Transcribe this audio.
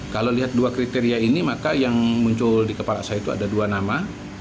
kalau lihat dua kriteria ini maka yang muncul di kepala saya itu ada dua nama